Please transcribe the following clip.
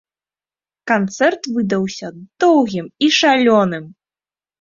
Канцэрт выдаўся доўгім і шалёным!